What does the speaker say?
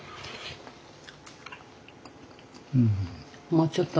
もうちょっと？